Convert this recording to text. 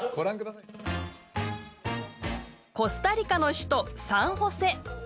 コスタリカの首都、サンホセ。